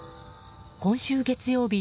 今週月曜日